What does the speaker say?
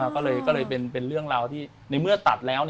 ก็เลยเป็นเรื่องราวที่ในเมื่อตัดแล้ว